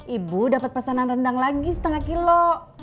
ibu dapat pesanan rendang lagi setengah kilo